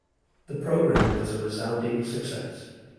The program was a resounding success.